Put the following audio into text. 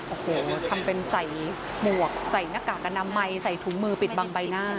โอ้โหทำเป็นใส่หมวกใส่หน้ากากอนามัยใส่ถุงมือปิดบังใบหน้า